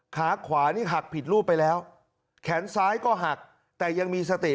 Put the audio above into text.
ขาขวานี่หักผิดรูปไปแล้วแขนซ้ายก็หักแต่ยังมีสติ